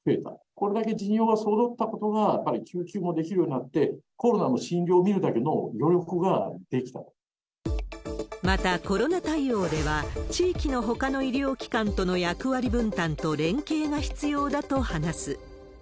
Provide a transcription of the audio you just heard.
これだけ陣容がそろったことが、やっぱり救急もできるようになって、コロナの診療を診るだけの余また、コロナ対応では、地域のほかの医療機関との役割分担と連携が必要だと話す。